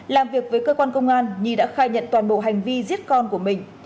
làm việc với cơ quan công an nhi đã khai nhận toàn bộ hành vi giết con của mình